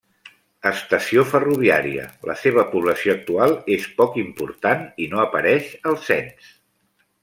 Estació ferroviària, la seva població actual és poc important i no apareix al cens.